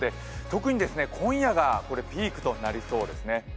特に今夜がピークとなりそうですね。